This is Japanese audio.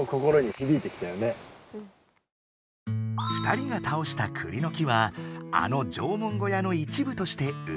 ２人がたおしたクリの木はあの縄文小屋の一部として生まれかわる。